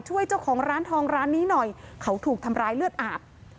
ช่วยเจ้าของร้านทองร้านนี้หน่อยเขาถูกทำร้ายเลือดอาบ